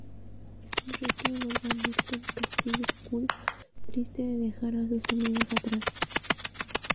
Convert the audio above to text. Rick vuelve a Norton Castillo School, triste de dejar a sus amigos atrás.